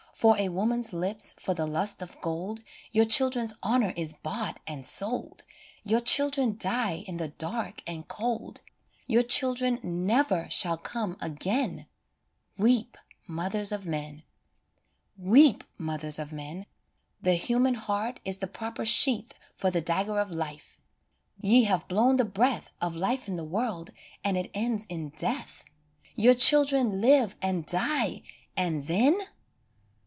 For a woman's lips, for the lust of gold, Your children's honour is bought and sold, Your children die in the dark and cold, Your children never shall come again Weep, mothers of men ! Weep, mothers of men ! The human heart is the proper sheath For the dagger of life ; ye have blown the breath Of life in the world and it ends in death ; Your children live and die, and then